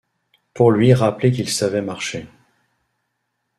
pour lui rappeler qu'il savait marcher.